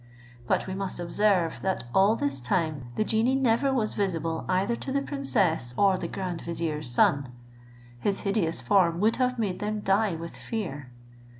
But we must observe, that all this time the genie never was visible either to the princess or the grand vizier's son. His hideous form would have made them die with fear.